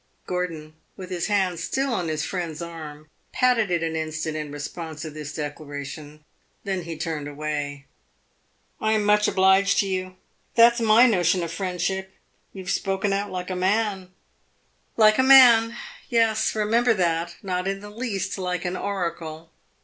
Gordon, with his hand still on his friend's arm, patted it an instant in response to this declaration; then he turned away. "I am much obliged to you. That 's my notion of friendship. You have spoken out like a man." "Like a man, yes. Remember that. Not in the least like an oracle."